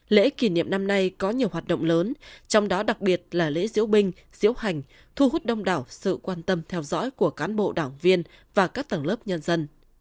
lễ kỷ niệm năm nay có nhiều hoạt động lớn trong đó đặc biệt là lễ diễu binh diễu hành thu hút đông đảo sự quan tâm theo dõi của cán bộ đảng viên và các tầng lớp nhân dân